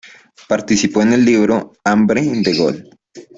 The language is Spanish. Participó en el libro “Hambre de Gol.